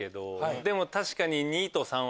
でも確かに。